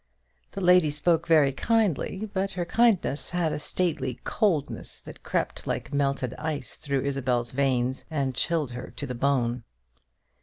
The lady spoke very kindly, but her kindness had a stately coldness that crept like melted ice through Isabel's veins, and chilled her to the bone.